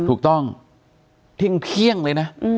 ถึงเที่ยงเลยนะ